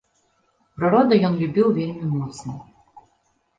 Прыроду ён любіў вельмі моцна.